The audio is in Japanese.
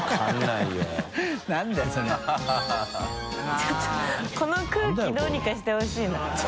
ちょっとこの空気どうにかしてほしいな。